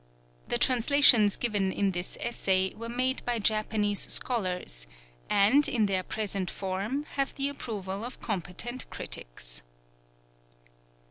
The translations given in this essay were made by Japanese scholars, and, in their present form, have the approval of competent critics.